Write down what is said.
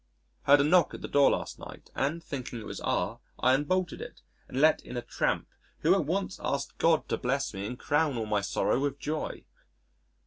Heard a knock at the door last night, and, thinking it was R , I unbolted it and let in a tramp who at once asked God to bless me and crown all my sorrow with joy.